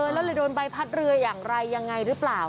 แล้วเลยโดนใบพัดเรืออย่างไรยังไงหรือเปล่า